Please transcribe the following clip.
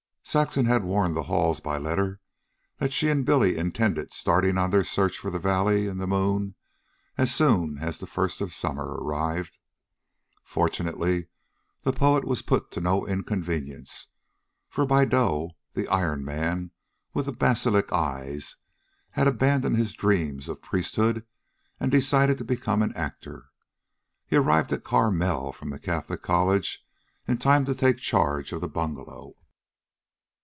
Saxon had warned the Halls by letter that she and Billy intended starting on their search for the valley in the moon as soon as the first of summer arrived. Fortunately, the poet was put to no inconvenience, for Bideaux, the Iron Man with the basilisk eyes, had abandoned his dreams of priesthood and decided to become an actor. He arrived at Carmel from the Catholic college in time to take charge of the bungalow.